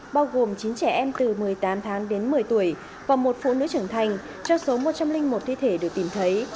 bao gồm chín trẻ em từ một mươi tám tháng đến một mươi tuổi và một phụ nữ trưởng thành trong số một trăm linh một thi thể được tìm thấy